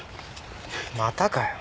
またかよ。